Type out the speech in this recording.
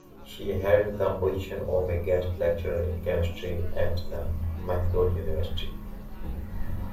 She held the position of a guest lecturer in chemistry at the Mahidol University.